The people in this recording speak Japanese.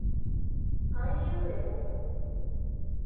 aiueo